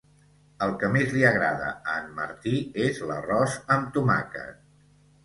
El que més li agrada a en Martí és l'arròs amb tomàquet